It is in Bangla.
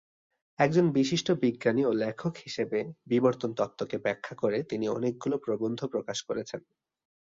একজন বিশিষ্ট বিজ্ঞানী ও লেখক হিসেবে বিবর্তন তত্ত্বকে ব্যাখ্যা করে তিনি অনেকগুলো প্রবন্ধ প্রকাশ করেছেন।